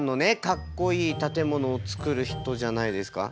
カッコイイ建物を作る人じゃないですか？